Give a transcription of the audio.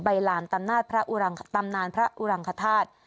ใบรามตำนานพระอุรังฆาต